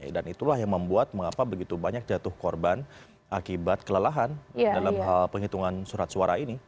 dan itulah yang membuat mengapa begitu banyak jatuh korban akibat kelelahan dalam hal penghitungan surat suara ini